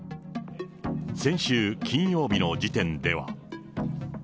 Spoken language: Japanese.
先週金曜日の時点では。